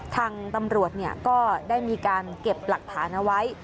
ทางตำรวจเนี่ยก็ได้มีการเก็บหลักฐานไว้